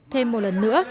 thêm một lần nữa